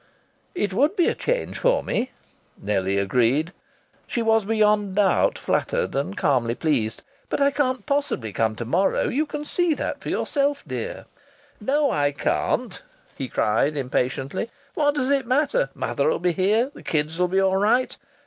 "It would be a change for me," Nellie agreed she was beyond doubt flattered and calmly pleased. "But I can't possibly come to morrow. You can see that for yourself, dear." "No, I can't!" he cried impatiently. "What does it matter? Mother'll be here. The kids'll be all right.